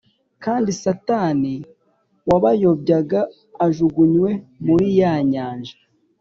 kandi Satani wabayobyaga ajugunywe muri ya nyanja